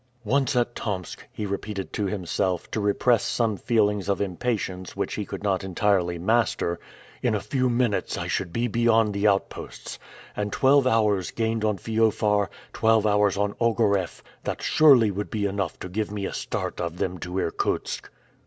"Once at Tomsk," he repeated to himself, to repress some feelings of impatience which he could not entirely master, "in a few minutes I should be beyond the outposts; and twelve hours gained on Feofar, twelve hours on Ogareff, that surely would be enough to give me a start of them to Irkutsk."